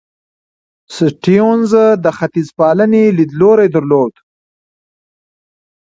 سټيونز د ختیځپالنې لیدلوری درلود.